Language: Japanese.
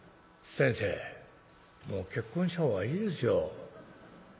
「先生もう結婚した方がいいですよ。